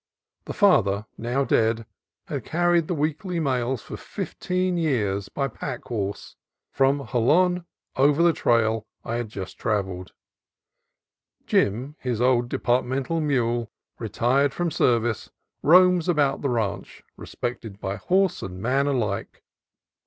The father, now dead, had carried the weekly mails for fifteen years by pack horse from Jolon over the trail I had just travelled. Jim, his old depart mental mule, retired from service, roams about the ranch, respected by horse and man alike.